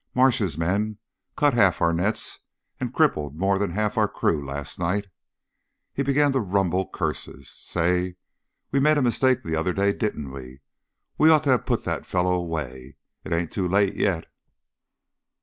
Marsh's men cut half our nets and crippled more than half our crew last night." He began to rumble curses. "Say! We made a mistake the other day, didn't we? We'd ought to have put that feller away. It ain't too late yet."